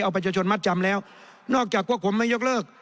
เอาประชาชนมัดจำแล้วนอกจากพวกผมไม่ยกเลิก